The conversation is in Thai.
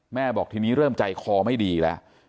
บอกทีนี้เริ่มใจคอไม่ดีแล้ว